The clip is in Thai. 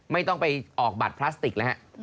ไม่ต้องไปออกบัตรพลาสติกแล้วฮะ